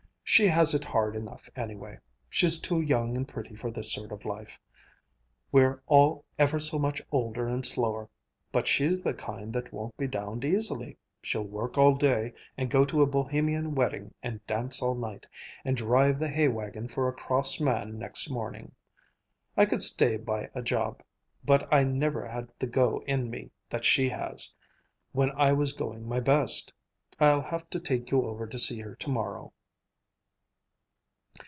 She has it hard enough, anyway. She's too young and pretty for this sort of life. We're all ever so much older and slower. But she's the kind that won't be downed easily. She'll work all day and go to a Bohemian wedding and dance all night, and drive the hay wagon for a cross man next morning. I could stay by a job, but I never had the go in me that she has, when I was going my best. I'll have to take you over to see her to morrow."